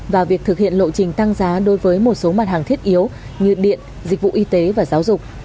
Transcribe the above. và việc thực hiện lộ trình tăng giá đối với một số mặt hàng thiết yếu như điện dịch vụ y tế và giáo dục